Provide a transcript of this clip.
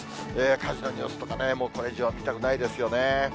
火事のニュースとかもうこれ以上は見たくないですよね。